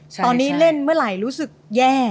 ตอนนี้เล่นเมื่อไหร่รู้สึกแย่